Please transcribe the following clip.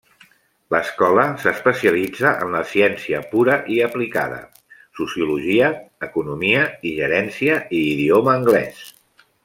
L'escola s'especialitza en la ciència pura i aplicada, sociologia, economia i gerència i idioma anglès.